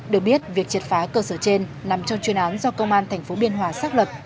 được biết việc triệt phá cơ sở trên nằm trong chuyên án do công an tp biên hòa xác lập